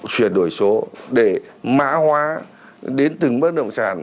chuyển đổi số để mã hóa đến từng bất động sản